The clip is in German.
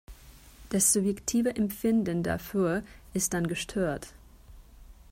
Das subjektive Empfinden dafür ist dann gestört.